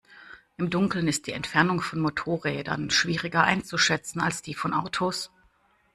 Im Dunkeln ist die Entfernung von Motorrädern schwieriger einzuschätzen, als die von Autos.